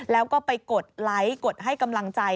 แล้วก็ไปกดไลค์กดให้กำลังใจ